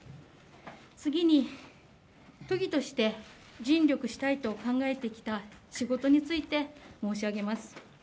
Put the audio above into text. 次に、都議として尽力したいと考えてきた仕事について申し上げます。